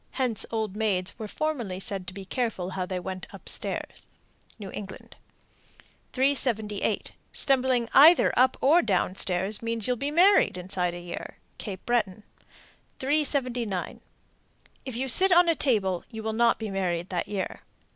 (Hence old maids were formerly said to be careful how they went up stairs.) New England. 378. Stumbling either up or down stairs means you'll be married inside a year. Cape Breton. 379. If you sit on a table, you will not be married that year.